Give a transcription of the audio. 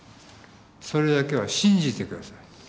それだけは信じて下さい。